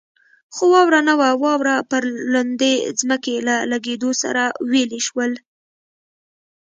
خو واوره نه وه، واوره پر لوندې ځمکې له لګېدو سره ویلې شول.